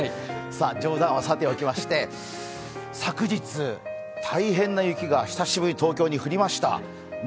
冗談はさておきまして、昨日大変な雪が久しぶりに東京に降りました。